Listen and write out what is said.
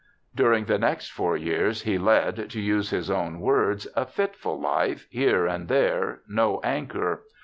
During the next four years he led, to use his own words, ' a fitful life, here and there, no anchor.'